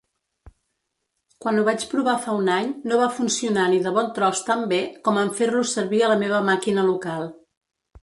Quan ho vaig provar fa un any, no va funcionar ni de bon tros tan bé com en fer-lo servir a la meva màquina local.